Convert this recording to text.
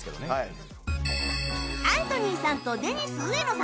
アントニーさんとデニス植野さん